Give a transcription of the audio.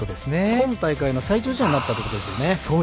今大会の最長試合になったということですね。